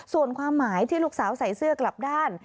ส่วนความหมายที่ลูกสาวใส่เสื้อกลับด้าน